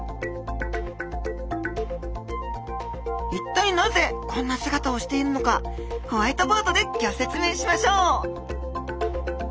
一体なぜこんな姿をしているのかホワイトボードでギョ説明しましょう！